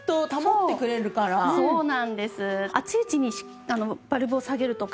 そうなんです。